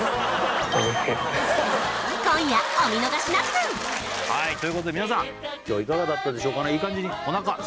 今夜お見逃しなく！ということで皆さん今日いかがだったでしょうか？